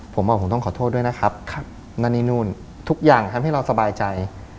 ผมบอกว่าผมต้องขอโทษด้วยนะครับทุกอย่างทำให้เราสบายใจ